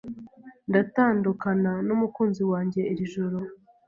Ndatandukana numukunzi wanjye iri joro.